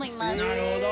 なるほど。